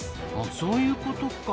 そういうことか。